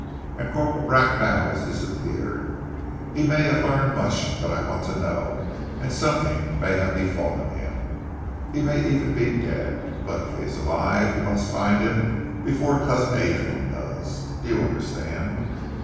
And Corporal Bracknell has disappeared. He may have learned much that I want to know, and something may have befallen him. He may even be dead, but if he is alive we must find him before Cousin Adrian does. Do you understand?"